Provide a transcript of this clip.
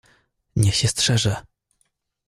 "Niech się strzeże!"